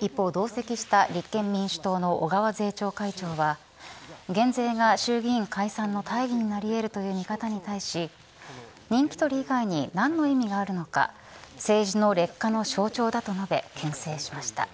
一方、同席した立憲民主党の小川税調会長は減税が衆議院解散の大義になり得るとの見方に対し人気取り以外に何の意味があるのか政治の劣化の象徴だと述べけん制しました。